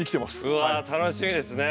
うわ楽しみですね。